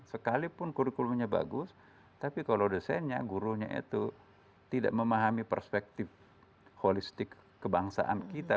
sekalipun kurikulumnya bagus tapi kalau dosennya gurunya itu tidak memahami perspektif holistik kebangsaan kita